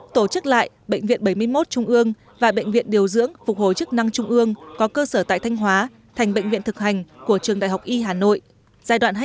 tổ chức lại bệnh viện bảy mươi một trung ương và bệnh viện điều dưỡng phục hồi chức năng trung ương có cơ sở tại thanh hóa thành bệnh viện thực hành của trường đại học y hà nội